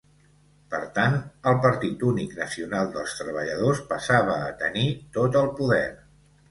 Per tant, el Partit Únic Nacional dels Treballadors passava a tenir tot el poder.